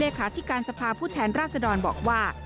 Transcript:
เลขาที่การสภาพุทธแทนราษฎรบอกว่า